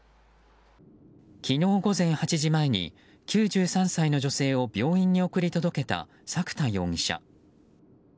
昨日午前８時前に９３歳の女性を病院に送り届けた作田容疑者。